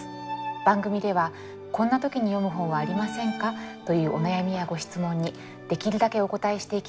番組では「こんな時に読む本はありませんか？」というお悩みやご質問にできるだけお応えしていきたいと思います。